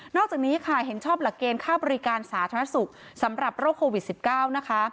อกจากนี้ค่ะเห็นชอบหลักเกณฑ์ค่าบริการสาธารณสุขสำหรับโรคโควิด๑๙นะคะ